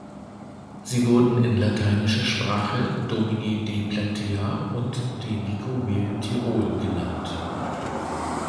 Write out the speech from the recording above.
Sie wurden in lateinischer Sprache "Domini de Platea" und "de Vico Ville Tirol" genannt.